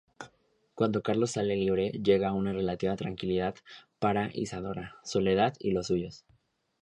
Cuando Carlos sale libre, llega una relativa tranquilidad para Isadora, Soledad y los suyos.